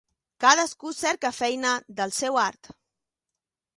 Cadascú cerca feina del seu art.